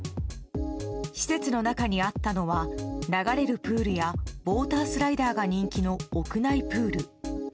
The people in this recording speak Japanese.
施設の中にあったのは流れるプールやウォータースライダーが人気の屋内プール。